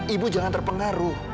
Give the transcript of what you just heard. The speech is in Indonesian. ibu jangan terpengaruh